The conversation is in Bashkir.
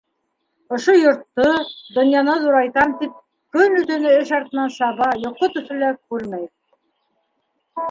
Ошо йортто, донъяны ҙурайтам тип, көнө-төнө эш артынан саба, йоҡо төҫө лә күрмәй.